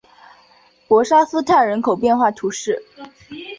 博沙斯泰人口变化图示